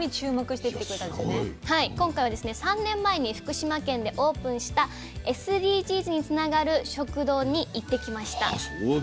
今回はですね３年前に福島県でオープンしたＳＤＧｓにつながる食堂に行ってきました。